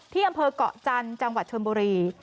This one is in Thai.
ที่อำเภอกเกาะจันทร์จังหวัดชนบุรี